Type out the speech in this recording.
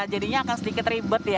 jadinya akan sedikit ribet ya